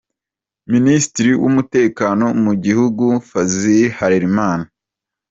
Minisitiri w’Umutekano mu Gihugu Fazil Harerimana